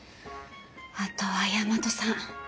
あとは大和さん